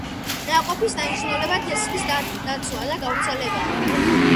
ნაყოფის დანიშნულებაა თესლების დაცვა და გავრცელება.